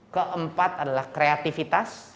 keempat adalah kreativitas